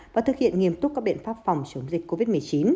và thực hiện nghiêm túc các biện pháp phòng chống dịch covid một mươi chín